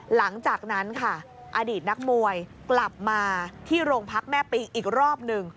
หลังจากนั้นค่ะอดีตนักมวยกลับมาที่โรงพักแม่ปิงอีกรอบหนึ่ง